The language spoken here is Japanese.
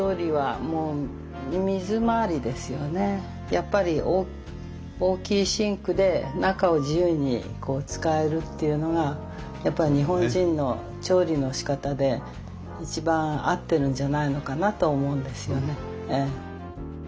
やっぱり大きいシンクで中を自由に使えるっていうのがやっぱり日本人の調理のしかたで一番合ってるんじゃないのかなと思うんですよねええ。